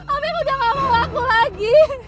afif udah gak mau aku lagi